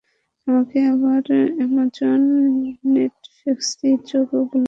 আমাকে আবার অ্যামাজন, নেটফ্লিক্সে চোখ বোলাতে হবে।